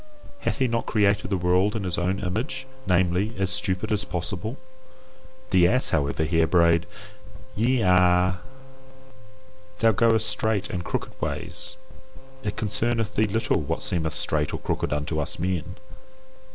Hath he not created the world in his own image, namely, as stupid as possible? The ass, however, here brayed YE A. Thou goest straight and crooked ways; it concerneth thee little what seemeth straight or crooked unto us men.